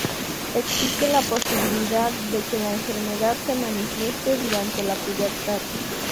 Existe la posibilidad de que la enfermedad se manifieste durante la pubertad.